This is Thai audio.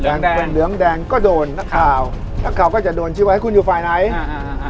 เหลืองแดงแบ่งเป็นเหลืองแดงก็โดนนักข่าวครับนักข่าวก็จะโดนชีวิตให้คุณอยู่ฝ่ายไหนอ่าอ่า